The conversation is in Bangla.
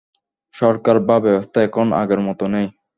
সরকার বা ব্যবস্থা এখন আগের মতো নেই।